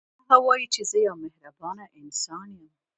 هغه وايي چې زه یو مهربانه انسان یم